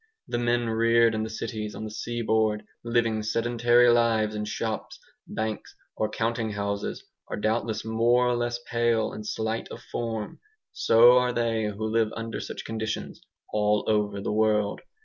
The men reared in the cities on the seaboard, living sedentary lives in shops, banks, or counting houses, are doubtless more or less pale and slight of form. So are they who live under such conditions all over the world.